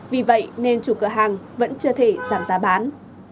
vì vậy nên chủ cửa hàng vẫn chưa thể giảm giá bán